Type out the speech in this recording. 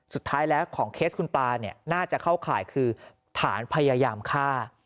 สุดท้ายแล้วของเคสคุณตาเนี่ยน่าจะเข้าข่ายคือฐานพยายามฆ่า